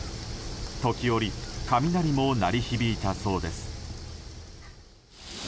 時折、雷も鳴り響いたそうです。